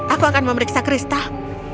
aku akan memeriksa kristal